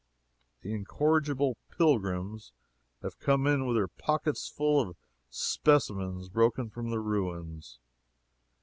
The incorrigible pilgrims have come in with their pockets full of specimens broken from the ruins.